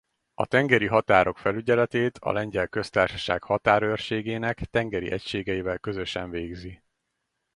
A tengeri határok felügyeletét a Lengyel Köztársaság határőrségének tengeri egységeivel közösen végzi.